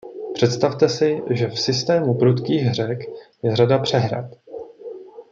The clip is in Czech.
Představte si, že v systému prudkých řek je řada přehrad.